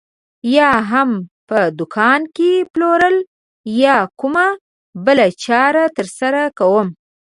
یا هم په دوکان کې پلور یا کومه بله چاره ترسره کوم.